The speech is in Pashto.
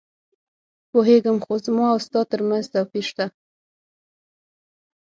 پوهېږم، خو زما او ستا ترمنځ توپیر شته.